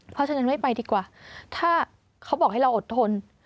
เพราะฉะนั้นไม่ไปดีกว่าถ้าเขาบอกให้เราอดทน